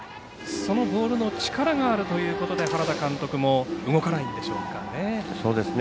そのボールの力があるということで原田監督も動かないんでしょうかね。